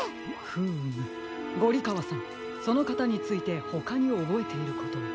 フームゴリかわさんそのかたについてほかにおぼえていることは？